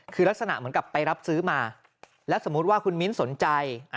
คือลักษณะเหมือนกับไปรับซื้อมาแล้วสมมุติว่าคุณมิ้นสนใจ